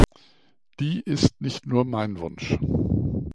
Die ist nicht nur mein Wunsch.